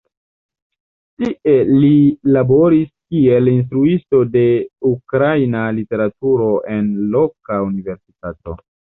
Tie li laboris kiel instruisto de ukraina literaturo en loka universitato.